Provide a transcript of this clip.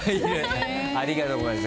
ありがとうございます。